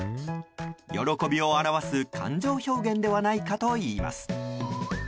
喜びを表す感情表現ではないかといいます。